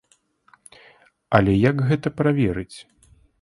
Але як гэта праверыць?